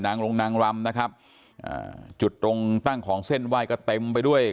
โรงนางรำนะครับอ่าจุดตรงตั้งของเส้นไหว้ก็เต็มไปด้วย